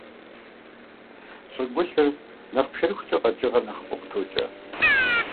ЩӀыгулъыр нэхъ пшэрыхукӀэ къэкӀыгъэр нэхъыфӀу къытокӀэ.